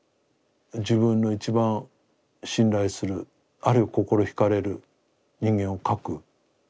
自分の一番信頼するあるいは心惹かれる人間を描く。